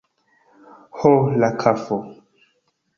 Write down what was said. Ho, la kafo!